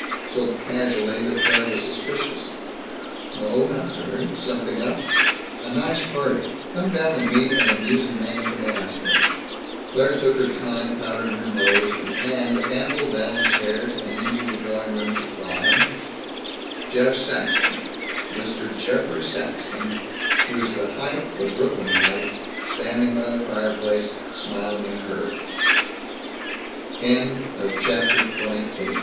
so casually that Claire was suspicious. "No. Not very. Something up?" "A nice party. Come down and meet an amusing man from Alaska." Claire took her time powdering her nose, and ambled downstairs and into the drawing room, to find Jeff Saxton, Mr. Geoffrey Saxton, who is the height of Brooklyn Heights, standing by the fireplace, smiling at her. CHAPTER XXIX THE ENEMY LOVE But at second glance was it Jeff?